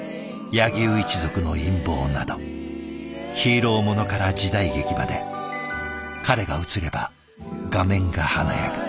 「柳生一族の陰謀」などヒーローものから時代劇まで彼が映れば画面が華やぐ。